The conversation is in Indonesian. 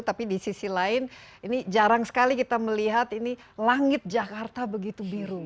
tapi di sisi lain ini jarang sekali kita melihat ini langit jakarta begitu biru